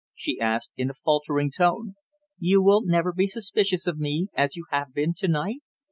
she asked, in a faltering tone. "You will never be suspicious of me as you have been to night?